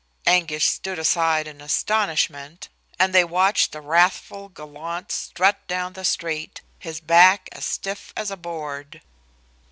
Anguish stood aside in astonishment, and they watched the wrathful gallant strut down the street, his back as stiff as a board.